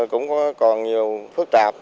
cũng còn nhiều phức tạp